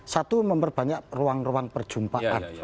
satu memperbanyak ruang ruang perjumpaan